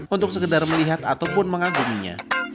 untuk sekedar melihat ataupun mengaguminya